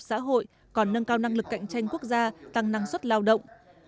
xã hội còn nâng cao năng lực cạnh tranh quốc gia tăng năng suất lao động